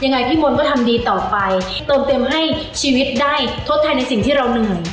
พี่มนต์ก็ทำดีต่อไปเติมเต็มให้ชีวิตได้ทดแทนในสิ่งที่เราเหนื่อย